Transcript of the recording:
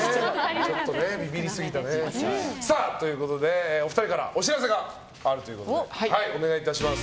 ビビりすぎたね。ということでお二人からお知らせがあるということでお願いします。